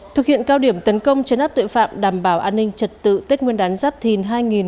thực hiện cao điểm tấn công chấn áp tội phạm đảm bảo an ninh trật tự tết nguyên đán giáp thìn hai nghìn hai mươi bốn